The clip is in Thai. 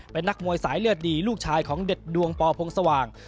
เป็นนักมวยสายเลือดดีลูกชายของเด็ดดวงปพงสว่าง